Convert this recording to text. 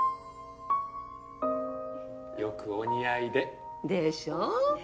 よくお似合いで。でしょ？